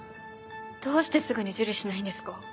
どうしてすぐに受理しないんですか？